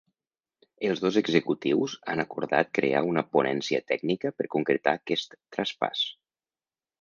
Els dos executius han acordat crear una ponència tècnica per concretar aquest traspàs.